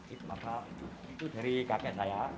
itu dari kakek saya